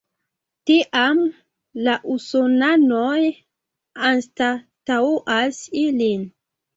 Tiam la usonanoj anstataŭas ilin.